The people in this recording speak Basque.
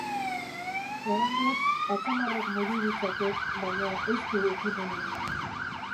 Oraingoz, atzamarrak mugi ditzake, baina ez du ukimenik.